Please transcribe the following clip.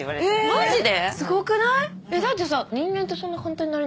マジで？